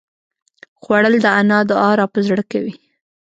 خوړل د انا دعا راپه زړه کوي